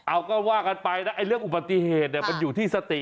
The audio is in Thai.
เอาก็ว่ากันไปนะเรื่องอุบัติเหตุเนี่ยมันอยู่ที่สติ